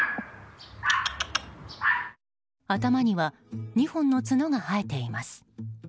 頭には２本の角が生えています。